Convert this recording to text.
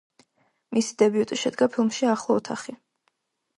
მისი დებიუტი შედგა ფილმში „ახლო ოთახი“.